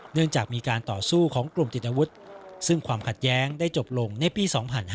เนื่องจากมีการต่อสู้ของกลุ่มติดอาวุธซึ่งความขัดแย้งได้จบลงในปี๒๕๕๙